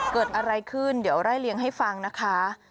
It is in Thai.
เกิดอะไรขึ้นเดี๋ยวไล่เลี้ยงให้ฟังนะคะ